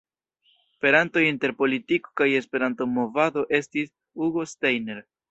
Peranto inter politiko kaj Esperanto-movado estis Hugo Steiner.